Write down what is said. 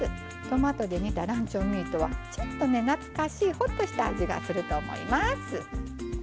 トマトで煮たランチョンミートはちょっとね懐かしいホッとした味がすると思います。